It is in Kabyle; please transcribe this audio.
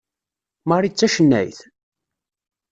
Marie d tacennayt?